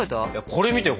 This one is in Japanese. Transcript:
これ見てよ